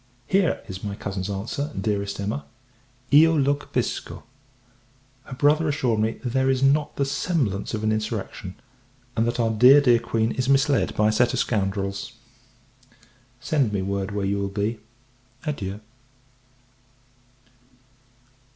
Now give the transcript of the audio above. V. Here is my cousin's answer, Dearest Emma "Io lo capisco." Her brother assured me, there is not the semblance of an insurrection; and, that our dear, dear Queen, is misled by a set of scoundrels. Send me word where you will be. Adieu!